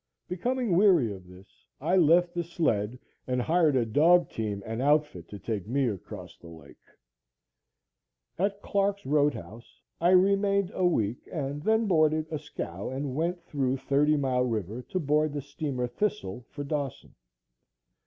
Becoming weary of this, I left the sled and hired a dog team and outfit to take me across the lake. At Clark's road house, I remained a week and then boarded a scow and went through Thirty Mile river to board the steamer Thistle for Dawson.